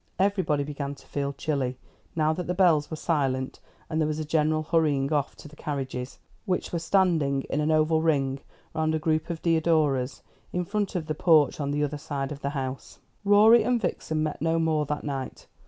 Everybody began to feel chilly, now that the bells were silent, and there was a general hurrying off to the carriages, which were standing in an oval ring round a group of deodoras in front of the porch on the other side of the house. Rorie and Vixen met no more that night.